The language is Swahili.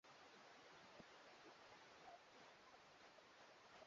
Ingawaje Liberia ilikuwa nchi ya kwanza Afrika kumchagua rais mwanamke Ellen Johnson Sirleaf